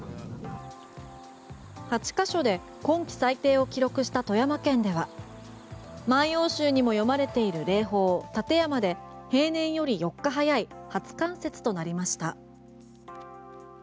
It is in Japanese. ８か所で今季最低を記録した富山県では「万葉集」にも詠まれている霊峰・立山で平年より４日早い初冠雪となりました。